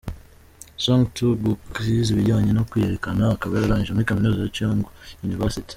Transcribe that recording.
Song Il-gook yize ibijyanye no kwiyerekana akaba yararangije muri Kaminuza ya Cheongju University.